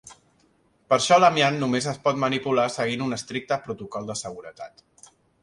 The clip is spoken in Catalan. Per això, l'amiant només es pot manipular seguint un estricte protocol de seguretat.